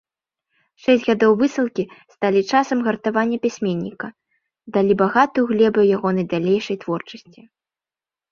Шэсць гадоў высылкі сталі часам гартавання пісьменніка, далі багатую глебу ягонай далейшай творчасці.